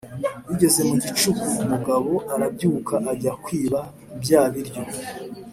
Bigeze mu gicuku umugabo arabyuka ajya kwiba bya biryo.